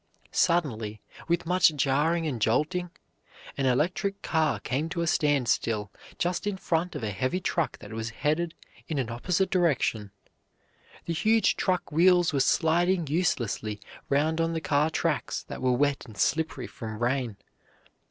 Suddenly, with much jarring and jolting, an electric car came to a standstill just in front of a heavy truck that was headed in an opposite direction. The huge truck wheels were sliding uselessly round on the car tracks that were wet and slippery from rain.